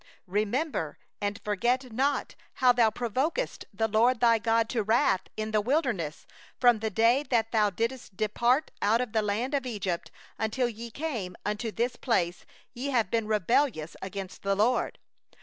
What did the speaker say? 7Remember, forget thou not, how thou didst make the LORD thy God wroth in the wilderness; from the day that thou didst go forth out of the land of Egypt, until ye came unto this place, ye have been rebellious against the LORD.